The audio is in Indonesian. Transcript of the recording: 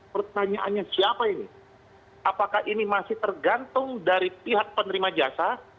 pertanyaannya siapa ini apakah ini masih tergantung dari pihak penerima jasa